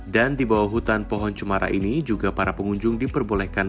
dan di bawah hutan pohon cemara ini juga para pengunjung diperbolehkan